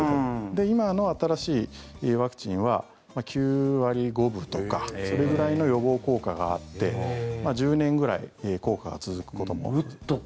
今の新しいワクチンは９割５分とかそれぐらいの予防効果があって１０年ぐらい効果が続くことも。